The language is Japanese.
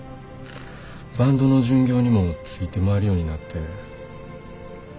バンドの巡業にもついて回るようになって。